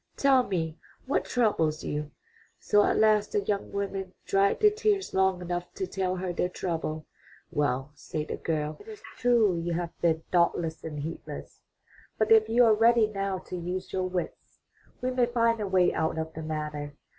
Tell me what troubles you." So at last the young women dried their tears long enough to tell her their trouble. "Well," said the girl, "it is true you have been 273 MY BOOK HOUSE thoughtless and heedless, but if you are ready now to use your wits, we may still find a way out of the matter.